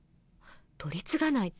取り次がないと。